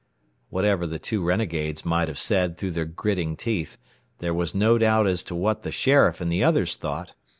Whatever the two renegades might have said through their gritting teeth, there was no doubt as to what the sheriff and the others thought.